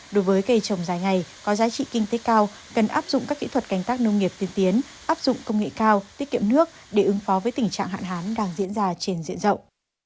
đối với cây trồng dài ngày có giá trị kinh tế cao cần áp dụng các kỹ thuật canh tác nông nghiệp tiên tiến áp dụng công nghệ cao tiết kiệm nước để ứng phó với tình trạng hạn hán đang diễn ra trên diện rộng